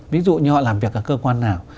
ví dụ như họ làm việc ở cơ quan nào